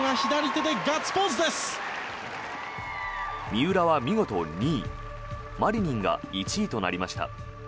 三浦は見事２位マリニンが１位となりました。